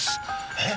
えっ！？